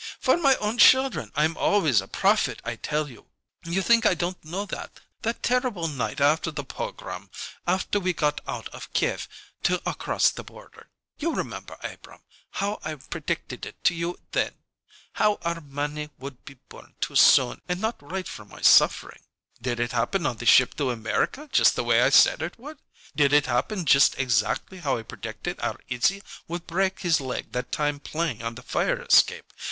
"For my own children I'm always a prophet, I tell you! You think I didn't know that that terrible night after the pogrom after we got out of Kief to across the border! You remember, Abrahm, how I predicted it to you then how our Mannie would be born too soon and and not right from my suffering! Did it happen on the ship to America just the way I said it would? Did it happen just exactly how I predicted our Izzie would break his leg that time playing on the fire escape?